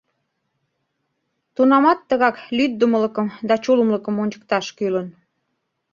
Тунамат тыгак лӱддымылыкым да чулымлыкым ончыкташ кӱлын.